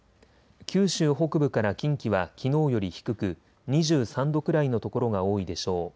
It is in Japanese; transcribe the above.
九州北部から近畿はきのうより低く２３度くらいの所が多いでしょう。